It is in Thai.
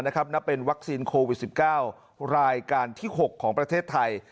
นับเป็นวัคซีนโควิด๑๙รายการที่๖ของประเทศไทย